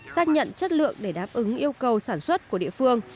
xác nhận chất lượng để đáp ứng yêu cầu sản xuất của địa phương